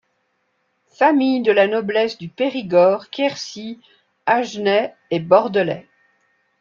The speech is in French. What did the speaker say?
Famille de la noblesse du Périgord, Quercy, Agenais et Bordelais.